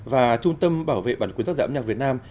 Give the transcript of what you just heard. và trung tâm bảo vệ bản quyền tác giả âm nhạc việt nam